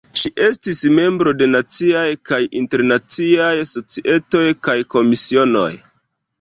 Ŝi estis membro de Naciaj kaj Internaciaj Societoj kaj Komisionoj.